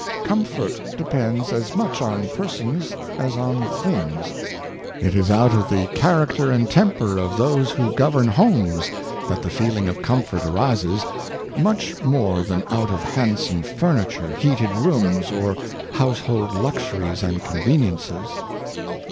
Comfort depends as much on persons as on " things." It is out of the character and temper of those who govern homes that the feeling of comfort arises, much more than out of handsome furniture, heated rooms, or household luxuries and conveniences.